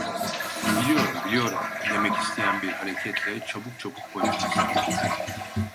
"Biliyorum, biliyorum!" demek isteyen bir hareketle çabuk çabuk başını salladı.